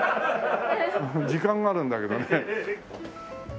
時間があるんだけどね。